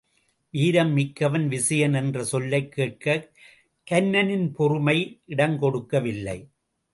வீரம் மிக்கவன் விசயன் என்ற சொல்லைக்கேட்கக் கன்னனின் பொறுமை இடம் கொடுக்கவில்லை.